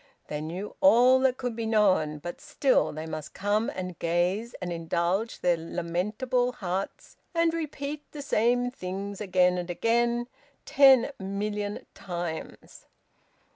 They knew all that could be known but still they must come and gaze and indulge their lamentable hearts, and repeat the same things again and again, ten million times!